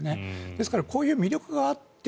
ですからこういう魅力があって